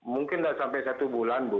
mungkin tidak sampai satu bulan bu